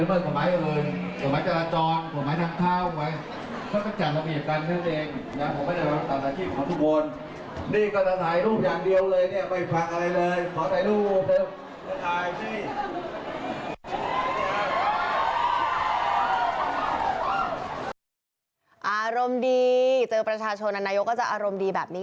อารมณ์ดีเจอประชาชนนายกก็จะอารมณ์ดีแบบนี้